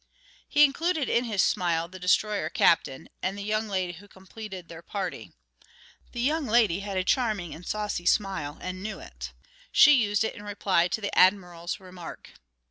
He included in his smile the destroyer captain and the young lady who completed their party. The young lady had a charming and saucy smile and knew it; she used it in reply to the Admiral's remark.